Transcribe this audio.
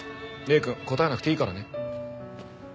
礼くん答えなくていいからね。